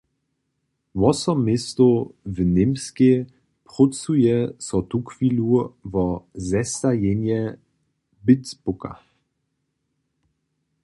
Wosom městow w Němskej prócuje so tuchwilu wo zestajenje bidbooka.